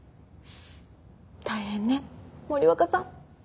大変ね森若さん。